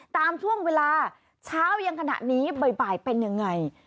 ตามช่วงเวลาเช้ายังขณะนี้บ่ายเป็นยังไง